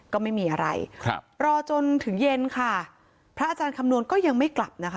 ก็ไม่มีอะไรครับรอจนถึงเย็นค่ะพระอาจารย์คำนวณก็ยังไม่กลับนะคะ